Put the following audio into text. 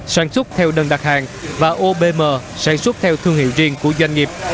sản xuất theo đơn đặc hàng và obm sản xuất theo thương hiệu riêng